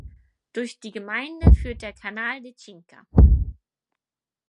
Durch die Gemeinde führt der "Canal de Cinca".